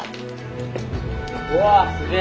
うわすげえ。